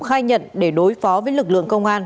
khai nhận để đối phó với lực lượng công an